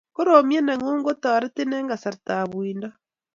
koromiet nengung ko taretin eng kasrta ab uindo